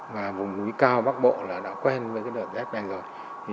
và vùng núi cao bắc bộ là đã quen với cái đợt rét này rồi